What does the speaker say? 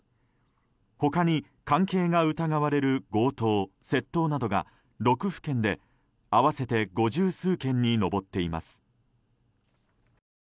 他に関係が疑われる強盗・窃盗などが６府県で合わせて五十数件に上っています。